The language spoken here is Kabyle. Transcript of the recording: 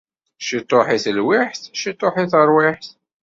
Ciṭuḥ i telwiḥt, ciṭuḥ i terwiḥt.